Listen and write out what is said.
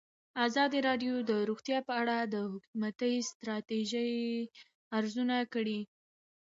ازادي راډیو د روغتیا په اړه د حکومتي ستراتیژۍ ارزونه کړې.